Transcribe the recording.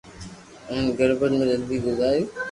ھين غربت ۾ زندگي گزاري